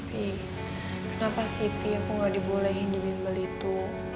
pi kenapa sih pi aku gak dibolehin di bimbel itu